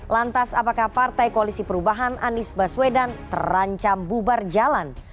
lantas apakah partai koalisi perubahan anies baswedan terancam bubar jalan